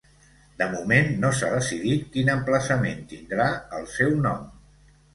De moment no s’ha decidit quin emplaçament tindrà el seu nom.